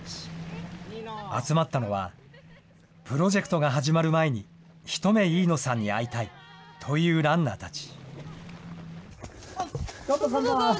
集まったのは、プロジェクトが始まる前に一目、飯野さんに会いたいというランナーたち。